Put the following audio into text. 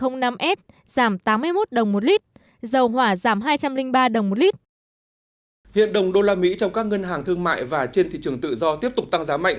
hiện đồng đô la mỹ trong các ngân hàng thương mại và trên thị trường tự do tiếp tục tăng giá mạnh